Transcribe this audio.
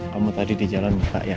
kamu tadi di jalan pak ya